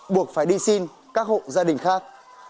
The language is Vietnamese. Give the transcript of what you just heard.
buộc phải đi xin các hộ gia đình khác